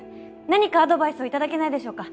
何かアドバイスをいただけないでしょうか？